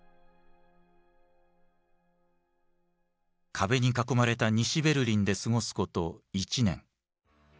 壁に囲まれた西ベルリンで過ごすこと１年。